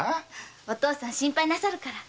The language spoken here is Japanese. お父さん心配なさるから。